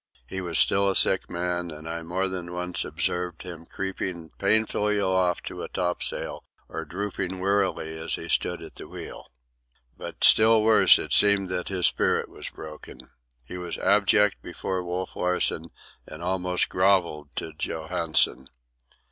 He was still a sick man, and I more than once observed him creeping painfully aloft to a topsail, or drooping wearily as he stood at the wheel. But, still worse, it seemed that his spirit was broken. He was abject before Wolf Larsen and almost grovelled to Johansen.